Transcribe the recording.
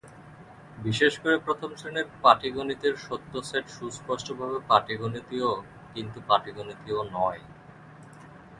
বিশেষ করে, প্রথম শ্রেণির পাটীগণিতের সত্য সেট সুস্পষ্টভাবে পাটীগণিতীয় কিন্তু পাটীগণিতীয় নয়।